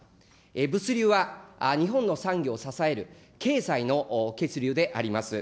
物流は日本の産業を支える経済の血流であります。